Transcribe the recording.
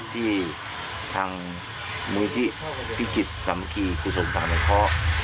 ที่ทางมูลนิธิพิจิตรสัมภัยคุณสมศัตริย์พระเจ้า